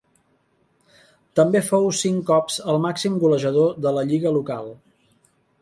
També fou cinc cops el màxim golejador de la lliga local.